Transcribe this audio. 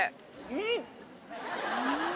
うん！